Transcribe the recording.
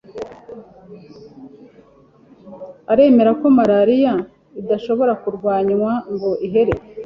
Aremera ko malaria idashobora kurwanywa ngo ihere